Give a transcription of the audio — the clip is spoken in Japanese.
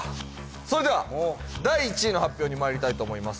それでは第１位の発表にまいりたいと思います